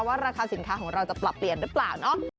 ราคาสินค้าของเราจะปรับเปลี่ยนหรือเปล่าเนาะ